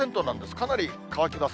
かなり乾きます。